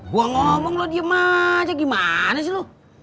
gua ngomong lu diem aja gimana sih lu